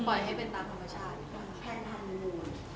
ปล่อยให้เป็นตามธรรมชาติ